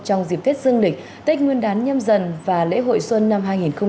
trong dịp tết dương lịch tết nguyên đán nhâm dần và lễ hội xuân năm hai nghìn hai mươi